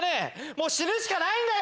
もう死ぬしかないんだよ！